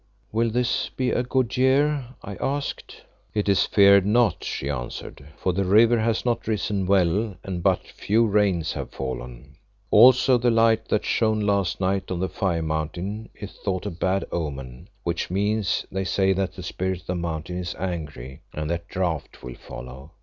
"Will this be a good year?" I asked. "It is feared not," she answered, "for the river has not risen well and but few rains have fallen. Also the light that shone last night on the Fire mountain is thought a bad omen, which means, they say, that the Spirit of the Mountain is angry and that drought will follow.